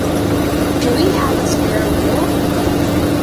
Do we have a spare wheel?